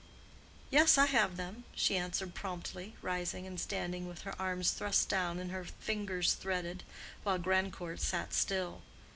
"Yes, I have them," she answered promptly, rising and standing with her arms thrust down and her fingers threaded, while Grandcourt sat still.